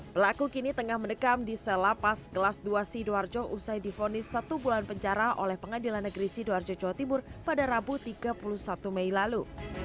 pelaku kini tengah mendekam di selapas kelas dua sidoarjo usai difonis satu bulan penjara oleh pengadilan negeri sidoarjo jawa timur pada rabu tiga puluh satu mei lalu